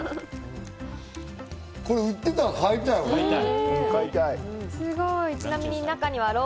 これ売ってたら買いたい、俺。